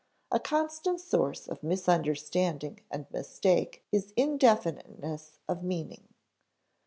A constant source of misunderstanding and mistake is indefiniteness of meaning.